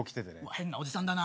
変なおじさんだな。